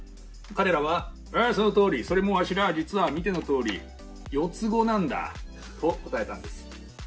彼らは、ああそのとおりそれも私ら実は見てのとおり四つ子なんだと答えたんです。